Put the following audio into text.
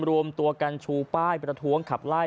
รวมตัวกันชูป้ายประท้วงขับไล่